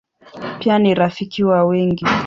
Pia ni rafiki wa wengi.